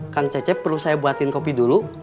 kang cecep perlu saya buatin kopi dulu